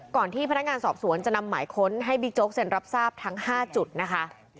ที่พนักงานสอบสวนจะนำหมายค้นให้บิ๊กโจ๊กเซ็นรับทราบทั้ง๕จุดนะคะ